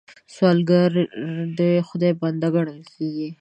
سوالګر د خدای بنده ګڼل کېږي